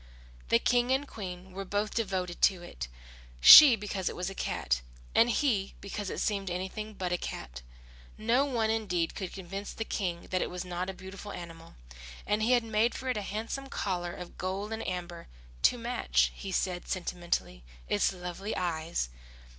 The King and Queen were both devoted to it; she because it was a cat, he because it seemed anything but a cat. No one indeed could convince the King that it was not a beautiful animal, and he had made for it a handsome collar of gold and amber "to match," he said, sentimentally, "its lovely eyes."